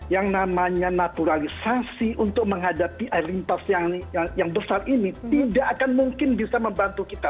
yang namanya naturalisasi untuk menghadapi air limpas yang besar ini tidak akan mungkin bisa membantu kita